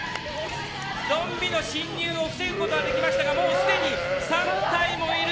ゾンビの侵入を防ぐことはできましたがもうすでに３体もいる。